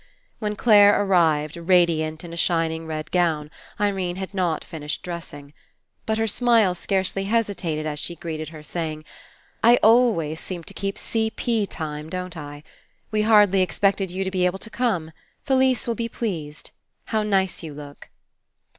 When Clare arrived, radiant in a shin ing red gown, Irene had not finished dressing. But her smile scarcely hesitated as she greeted her, saying: ''I always seem to keep C. P. time, don't I? We hardly expected you to be able to come. Felise will be pleased. How nice you look.''